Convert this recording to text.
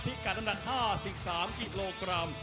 พลิกกันอันดัด๕๓กิโลกรัม